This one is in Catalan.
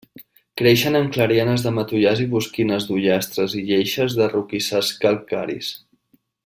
Creixen en clarianes de matollars i bosquines d'ullastres i lleixes de roquissars calcaris.